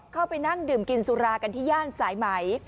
เข้าไปนั่งดื่มกินสุรากันที่ย่านสายไหม